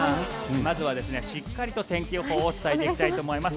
まずはしっかりと天気予報を伝えていきたいと思います。